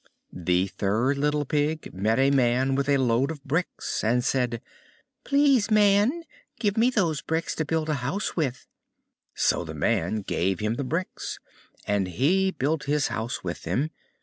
The third little Pig met a Man with a load of bricks, and said, "Please, Man, give me those bricks to build a house with"; so the Man gave him the bricks, and he built his house with them.